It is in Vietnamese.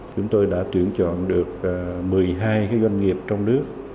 chúng tôi đã chuyển chọn được một mươi hai cái doanh nghiệp trong nước